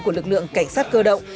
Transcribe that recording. của lực lượng cảnh sát cơ động